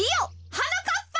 はなかっぱ。